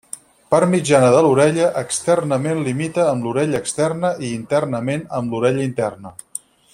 Part mitjana de l'orella, externament limita amb l'orella externa i internament amb l'orella interna.